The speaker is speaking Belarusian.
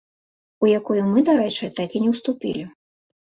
У якую мы, дарэчы, так і не ўступілі.